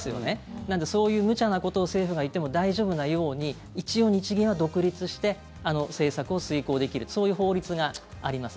なので、そういうむちゃなことを政府が言っても大丈夫なように一応、日銀は独立して政策を遂行できるそういう法律があります。